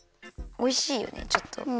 おいしいよねちょっと。